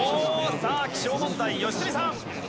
さあ気象問題良純さん。